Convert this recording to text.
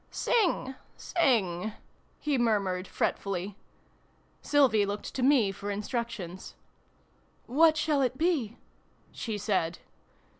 " Sing, sing !" he murmured fret fully. Sylvie looked to me for instructions. " What shall it be ?" she said.